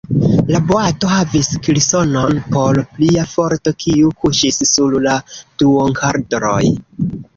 La boato havis kilsonon por plia forto, kiu kuŝis sur la duonkadroj.